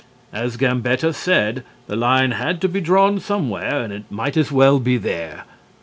As Gambetta said, the line had to be drawn somewhere and it might as well be there.